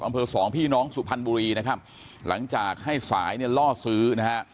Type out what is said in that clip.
สองพี่น้องสุพรรณบุรีนะครับหลังจากให้สายเนี่ยล่อซื้อนะฮะ